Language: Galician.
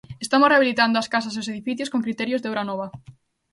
Estamos rehabilitando as casas e os edificios con criterios de obra nova.